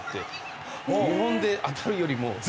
日本で当たるよりも。